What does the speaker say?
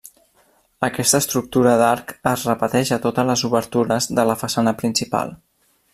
Aquesta estructura d'arc es repeteix a totes les obertures de la façana principal.